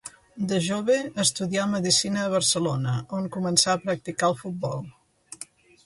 De jove estudià medicina a Barcelona, on començà a practicar el futbol.